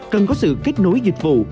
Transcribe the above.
cần có sự kết nối dịch vụ